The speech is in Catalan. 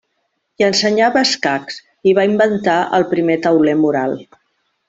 Hi ensenyava escacs, i va inventar el primer tauler mural.